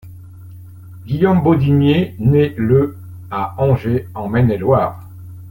Guillaume Bodinier naît le à Angers, en Maine-et-Loire.